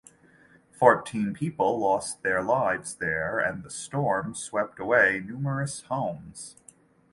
Fourteen people lost their lives there and the storm swept away numerous homes.